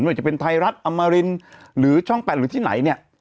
ว่าจะเป็นไทยรัฐอมรินหรือช่อง๘หรือที่ไหนเนี่ย